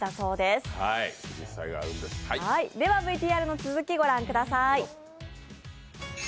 ＶＴＲの続き、ご覧ください。